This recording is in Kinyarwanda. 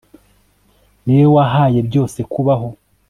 ni we wahaye byose kubaho